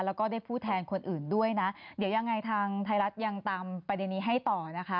แล้วก็ได้พูดแทนคนอื่นด้วยนะเดี๋ยวยังไงทางไทยรัฐยังตามประเด็นนี้ให้ต่อนะคะ